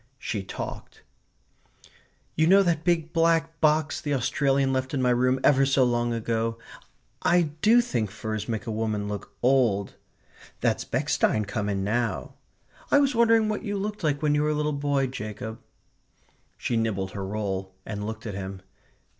She talked: "You know that big black box the Australian left in my room ever so long ago? ... I do think furs make a woman look old.... That's Bechstein come in now.... I was wondering what you looked like when you were a little boy, Jacob." She nibbled her roll and looked at him.